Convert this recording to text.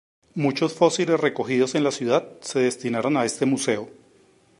Muchos fósiles recogidos en la ciudad se destinaron a este museo.